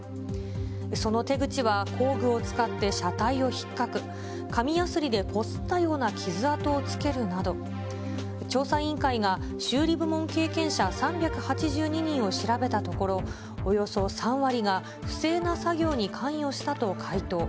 その手口は工具を使って車体をひっかく、紙やすりでこすったような傷跡をつけるなど、調査委員会が修理部門経験者３８２人を調べたところ、およそ３割が不正な作業に関与したと回答。